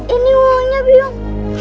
ini uangnya biung